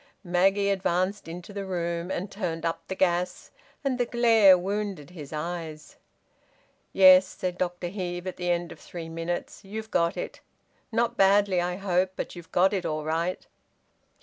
Maggie advanced into the room and turned up the gas, and the glare wounded his eyes. "Yes," said Dr Heve, at the end of three minutes. "You've got it. Not badly, I hope. But you've got it all right."